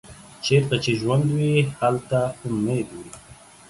چیرته چې ژوند وي، هلته امید وي.